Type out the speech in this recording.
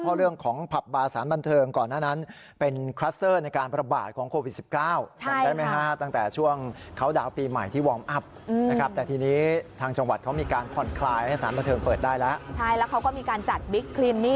เพราะเรื่องของผับบาสถานบันเทิงก่อนหน้านั้น